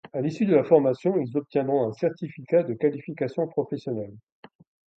À l'issue de la formation, ils obtiendront un certificat de qualification professionnelle.